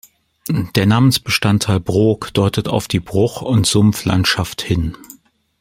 Der Namensbestandteil Brook deutet auf die Bruch- und Sumpflandschaft hin.